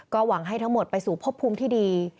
หวังให้ทั้งหมดไปสู่พบภูมิที่ดี